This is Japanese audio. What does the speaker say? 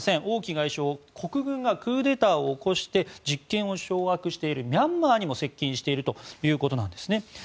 王毅外相は国軍がクーデターを起こして実権を掌握しているミャンマーにも接近しているということなんですね。